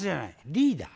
リーダー。